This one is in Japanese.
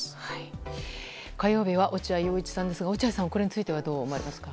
火曜日は落合陽一さんですが落合さんはこれについて、どう思われますか。